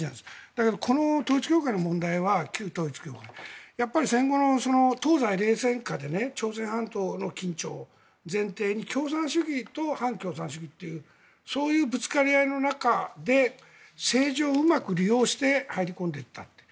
だけど、この旧統一教会の問題はやっぱり戦後の東西冷戦下で朝鮮半島の緊張、前提に共産主義と反共産主義というそういうぶつかり合いの中で政治をうまく利用して入り込んでいったという。